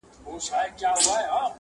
وروسته وار سو د قاضى د وزيرانو،